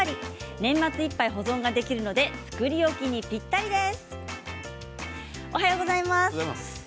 年末いっぱい保存ができるので作り置きにぴったりです。